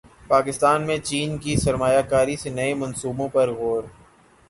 پاکستان میں چین کی سرمایہ کاری سے نئے منصوبوں پر غور